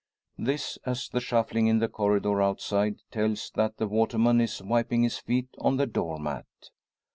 This, as a shuffling in the corridor outside, tells that the waterman is wiping his feet on the door mat.